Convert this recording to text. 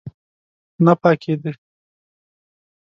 نه پاکېده.